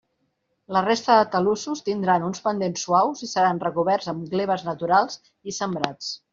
La resta de talussos tindran uns pendents suaus i seran recoberts amb gleves naturals i sembrats.